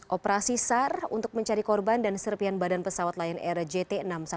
operasi sar untuk mencari korban dan serpian badan pesawat lain rgt enam ratus sepuluh